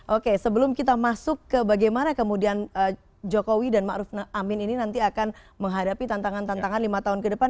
oke sebelum kita masuk ke bagaimana kemudian jokowi dan ⁇ maruf ⁇ amin ini nanti akan menghadapi tantangan tantangan lima tahun ke depan